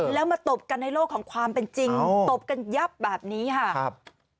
แล้วมาตบกันในโลกของความเป็นจริงตบกันยับแบบนี้ค่ะครับ